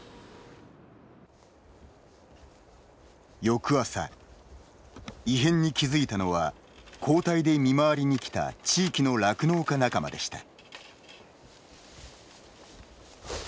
翌朝、異変に気付いたのは交代で見回りにきた地域の酪農家仲間でした。